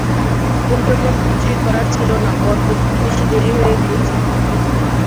ওর জন্য কিছুই করার ছিল না, বড্ডো বেশি দেরি হয়ে গিয়েছিল।